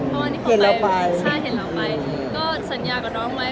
ให้พี่เก็บได้แม่นนึงให้พี่ทำงานก่อน